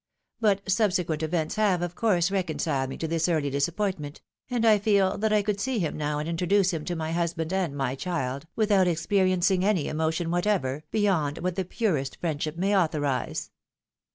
But subsequent events have, of course, recon ciled me to this early disappointment, and I feel that I could see him now and introduce him " to my husband and my child, without experiencing any emotion whatever, beyond what the purest friendship may authorise."